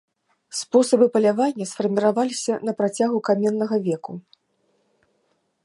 Спосабы палявання сфарміраваліся на працягу каменнага веку.